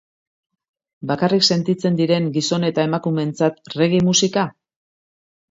Bakarrik sentitzen diren gizon eta emakumeentzat reggae musika?